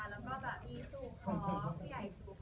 แล้วก็แบบมีสู่ข้อใหญ่สู่ข้อ